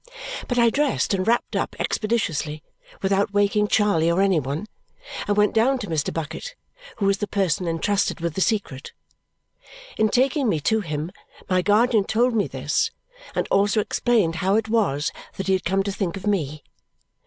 But I dressed and wrapped up expeditiously without waking Charley or any one and went down to Mr. Bucket, who was the person entrusted with the secret. In taking me to him my guardian told me this, and also explained how it was that he had come to think of me.